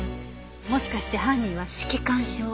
もしかして犯人は色汗症。